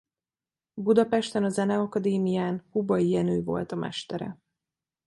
Budapesten a Zeneakadémián Hubay Jenő volt a mestere.